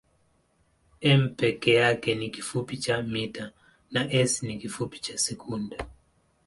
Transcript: m peke yake ni kifupi cha mita na s ni kifupi cha sekunde.